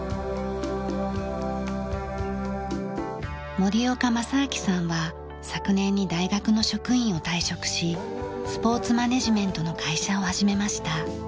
森岡正晃さんは昨年に大学の職員を退職しスポーツマネジメントの会社を始めました。